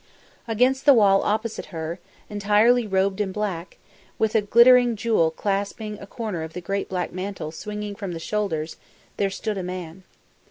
Against the wall opposite her, entirely robed in black, with a glittering jewel clasping a corner of the great black mantle swinging from the shoulders, there stood a man.